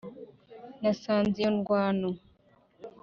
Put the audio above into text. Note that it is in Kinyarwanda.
nasanze iyo ndwano